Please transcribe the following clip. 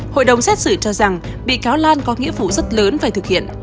hội đồng xét xử cho rằng bị cáo lan có nghĩa vụ rất lớn phải thực hiện